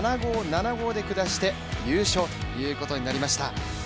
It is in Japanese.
７−５、７−５で下して優勝ということになりました。